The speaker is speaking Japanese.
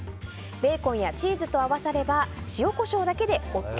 ベーコンやチーズと合わせれば塩、コショウだけでＯＫ。